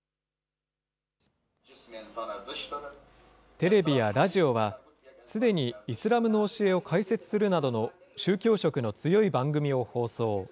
テレビやラジオは、すでにイスラムの教えを解説するなどの宗教色の強い番組を放送。